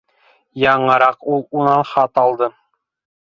Яңыраҡ ул унан хат алды.